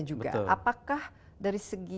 juga apakah dari segi